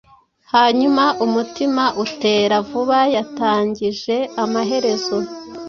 hanyuma “umutima utera vuba.” Yatangije, amaherezo,